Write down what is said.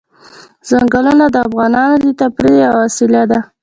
چنګلونه د افغانانو د تفریح یوه وسیله ده.